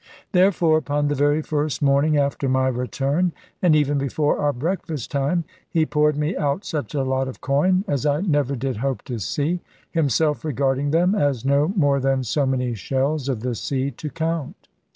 Therefore, upon the very first morning after my return, and even before our breakfast time, he poured me out such a lot of coin as I never did hope to see, himself regarding them as no more than so many shells of the sea to count.